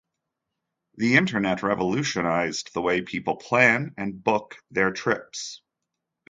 The internet revolutionized the way people plan and book their trips.